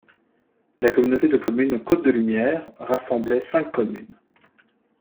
La communauté de communes Côte-de-Lumière rassemblait cinq communes.